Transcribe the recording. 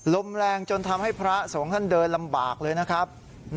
ลมแรงจนทำให้พระสงฆ์ท่านเดินลำบากเลยนะครับ